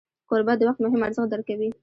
کوربه د وخت مهم ارزښت درک کوي.